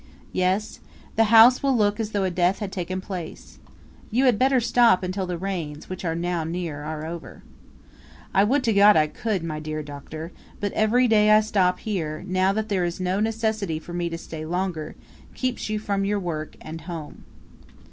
"Yes; the house will look as though a death had taken place. You had better stop until the rains, which are now near, are over." "I would to God I could, my dear Doctor; but every day I stop here, now that there is no necessity for me to stay longer, keeps you from your work and home."